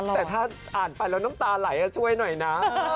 แต่ถ้าอ่านไปแล้วน้ำตาไหลช่วยหน่อยนะ